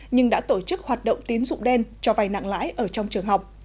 nhưng đã tổ chức hoạt động tín dụng đen cho vay nặng lãi ở trong trường học